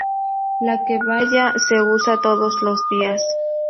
La kebaya se usa todos los días.